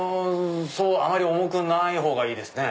あまり重くないほうがいいですね。